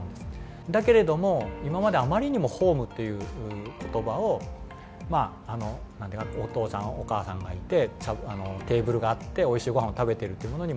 だけれども今まであまりにも「ホーム」っていう言葉をお父さんお母さんがいてテーブルがあっておいしいごはんを食べてるっていうものに求め過ぎてきた。